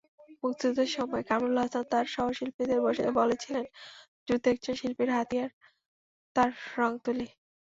মুক্তিযুদ্ধের সময় কামরুল হাসান তাঁর সহশিল্পীদের বলেছিলেন, যুদ্ধে একজন শিল্পীর হাতিয়ার তাঁর রংতুলি।